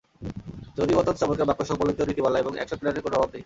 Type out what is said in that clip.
যদিও অত্যন্ত চমৎকার বাক্যসংবলিত নীতিমালা এবং অ্যাকশন প্ল্যানের কোনো অভাব নেই।